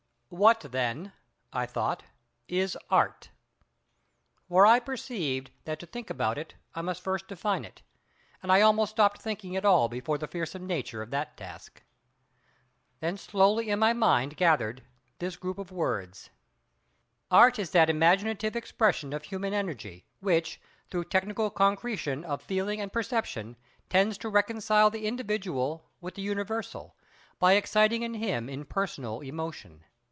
What then—I thought—is Art? For I perceived that to think about it I must first define it; and I almost stopped thinking at all before the fearsome nature of that task. Then slowly in my mind gathered this group of words: Art is that imaginative expression of human energy, which, through technical concretion of feeling and perception, tends to reconcile the individual with the universal, by exciting in him impersonal emotion.